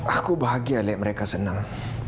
aku bahagia lek mereka senang